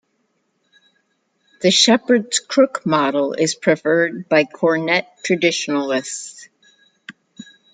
The Shepherd's Crook model is preferred by cornet traditionalists.